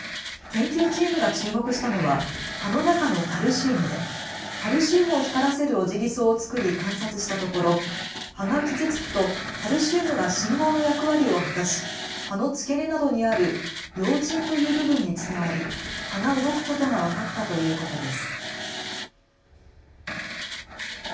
研究チームが注目したのは葉の中のカルシウムでカルシウムを光らせるオジギソウを作り観察したところ葉が傷つくとカルシウムが信号の役割を果たし、葉の付け根などにある葉枕という部分に伝わり葉が動くことが分かったということです。